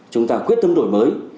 chúng ta quyết tâm đổi mới